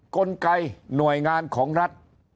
กลไกหน่วยงานของรัฐ